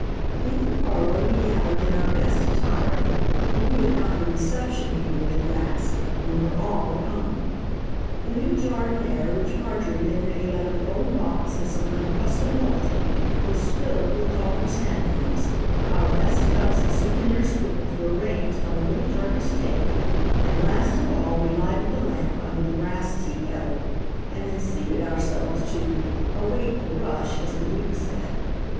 IN the parlor we gathered in our best attire, for we had found a reception evening at last, when we were all at home. The new jardinière, which Marjorie had made out of an old box and some Lincrusta Walton, was filled with tall chrysanthemums, our best cups and souvenir spoons were arranged on the little Turkish table, and last of all we lighted the lamp under the brass tea kettle, and then seated ourselves to "await the rush," as the Duke said.